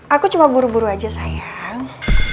aku cuma buru buru aja sayang